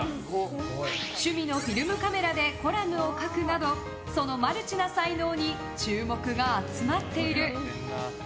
趣味のフィルムカメラでコラムを書くなどそのマルチな才能に注目が集まっている。